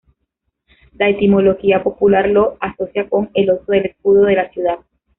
La etimología popular lo asocia con el oso del escudo de la ciudad.